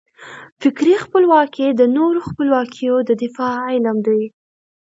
فکري خپلواکي د نورو خپلواکیو د دفاع علم دی.